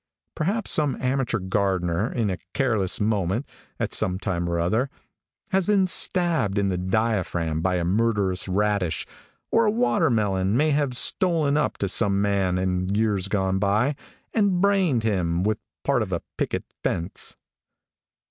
"Perhaps some amateur gardener, in a careless moment, at some time or other, has been stabbed in the diaphragm by a murderous radish, or a watermelon may have stolen up to some man, in years gone by, and brained him with part of a picket fence.